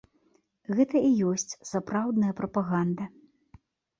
Гэта і ёсць сапраўдная прапаганда.